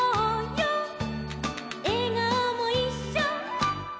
「えがおもいっしょ」